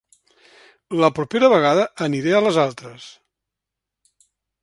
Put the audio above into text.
La propera vegada, aniré a les altres.